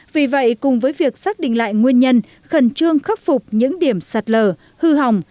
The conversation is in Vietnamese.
vì vậy cùng với việc xác định lại nguyên nhân khẩn trương khắc phục những điểm sạt lở hư hỏng